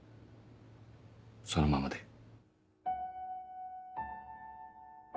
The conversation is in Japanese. そのままで。